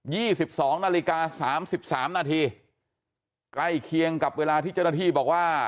ี่สิบสองนาฬิกาสามสิบสามนาทีใกล้เคียงกับเวลาที่เจ้าหน้าที่บอกว่า